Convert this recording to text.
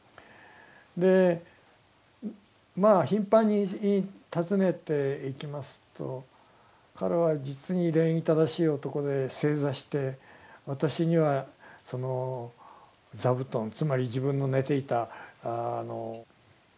でまあ頻繁に訪ねていきますと彼は実に礼儀正しい男で正座して私にはその座布団つまり自分の寝ていた布団をですね